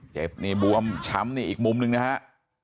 เจ็บบวมช้ำอีกมุมหนึ่งนะครับ